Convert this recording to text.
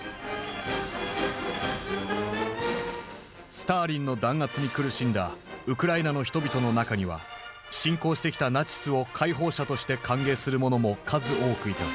スターリンの弾圧に苦しんだウクライナの人々の中には侵攻してきたナチスを解放者として歓迎する者も数多くいた。